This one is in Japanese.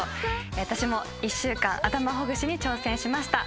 私も１週間、頭ほぐしに挑戦しました。